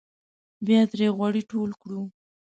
بیا ترې غوړي ټول کړو.